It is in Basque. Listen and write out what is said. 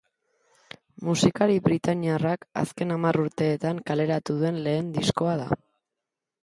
Musikari britainiarrak azken hamar urteetan kaleratu duen lehen diskoa da.